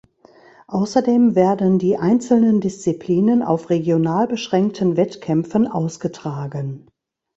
Außerdem werden die einzelnen Disziplinen auf regional beschränkten Wettkämpfen ausgetragen.